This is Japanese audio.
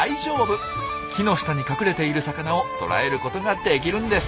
木の下に隠れている魚を捕らえることができるんです。